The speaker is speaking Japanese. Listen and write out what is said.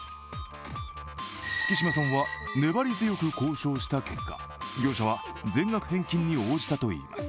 月島さんは粘り強く交渉した結果、業者は全額返金に応じたといいます。